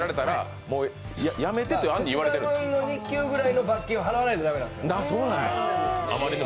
２日分の日給分ぐらいの罰金を払わないといけないんですよ。